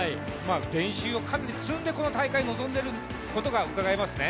練習をかなり積んでこの大会に臨んでいることが分かりますね。